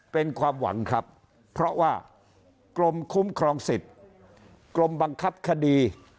เป็นความหวังครับเพราะว่ากรมคุ้มครองสิทธิ์กรมบังคับคดี